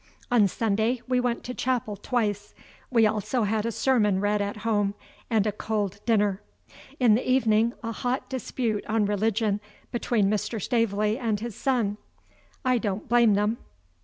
On Sunday we went to chapel twice. We also had a sermon read at home, and a cold dinner. In the evening, a hot dispute on religion between Mr. Staveley and his son. I don't blame them.